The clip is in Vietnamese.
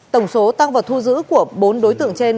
tổng số tăng vật thu giữ của bốn đối tượng trên